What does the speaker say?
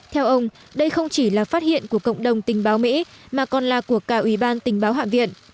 theo ông đây không chỉ là phát hiện của cộng đồng tình báo mỹ mà còn là của cả ủy ban tình báo hạ viện